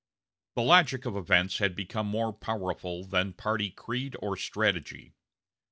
The logic of events had become more powerful than party creed or strategy.